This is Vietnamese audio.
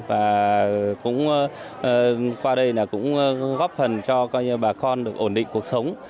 và qua đây cũng góp phần cho bà con được ổn định cuộc sống